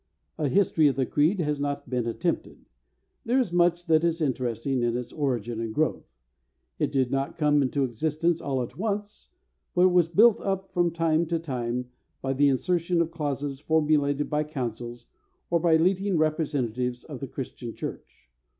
A history of the Creed has not been attempted. There is much that is interesting in its origin and growth. It did not come into existence all at once, but was built up from time to time by the insertion of clauses formulated by Councils or by leading representatives of the Christian Church.